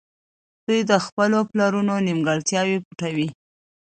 دوی د خپلو پلرونو نيمګړتياوې پټوي.